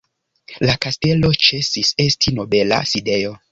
La kastelo ĉesis esti nobela sidejo.